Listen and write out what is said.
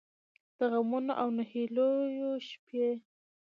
د غمـونـو او نهـيليو شـپې